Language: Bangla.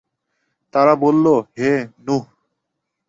তারা বলল, হে নূহ!